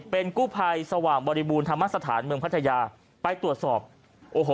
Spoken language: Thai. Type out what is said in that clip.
เป็นกู้ภัยสว่างบริบูรณธรรมสถานเมืองพัทยาไปตรวจสอบโอ้โห